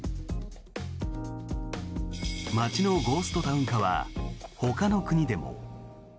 街のゴーストタウン化はほかの国でも。